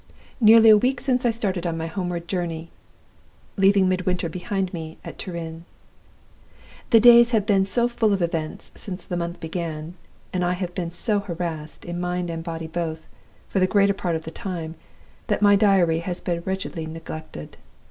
Nearly a week since I started on my homeward journey, leaving Midwinter behind me at Turin. "The days have been so full of events since the month began, and I have been so harassed, in mind and body both, for the greater part of the time, that my Diary has been wretchedly neglected.